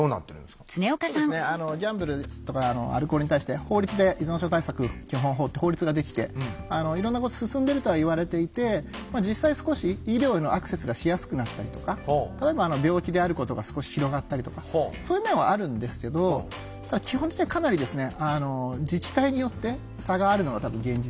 ギャンブルとかアルコールに対して法律で依存症対策基本法って法律ができていろんなこと進んでるとは言われていて実際少し医療へのアクセスがしやすくなったりとか例えば病気であることが少し広がったりとかそういう面はあるんですけどただそうなんですか。